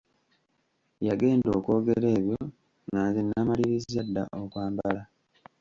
Yagenda okwogera ebyo nga nze namaliriza dda okwambala.